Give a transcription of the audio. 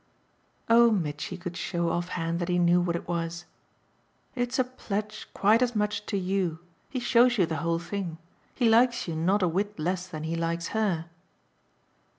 Oh Mitchy could show off hand that he knew what it was. "It's a pledge, quite as much, to you. He shows you the whole thing. He likes you not a whit less than he likes her."